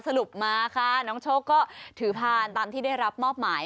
สรุปมาค่ะน้องโชคก็ถือพานตามที่ได้รับมอบหมาย